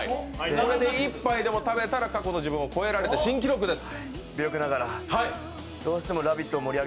これで１杯でも食べたら過去の自分を越えられる、新記録です。